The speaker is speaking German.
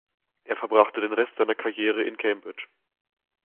Er verbrachte den Rest seiner Karriere in Cambridge.